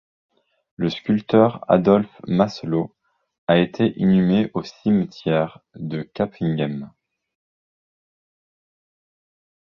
Le sculpteur Adolphe Masselot a été inhumé au cimetierre de Capinghem.